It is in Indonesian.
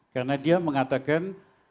karena dia mengatakan